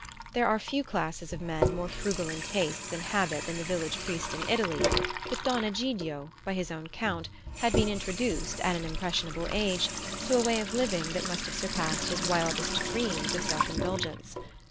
There are few classes of men more frugal in tastes and habit than the village priest in Italy; but Don Egidio, by his own account, had been introduced, at an impressionable age, to a way of living that must have surpassed his wildest dreams of self indulgence.